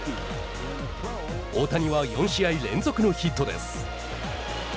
大谷は４試合連続のヒットです。